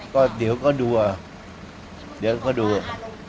ก็เดี๋ยวก็ดูอ่ะเดี๋ยวก็ดู